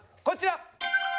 こちら！